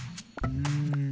うん！